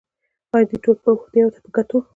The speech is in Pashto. آیا دې ټولو پرمختیاوو ته په کتو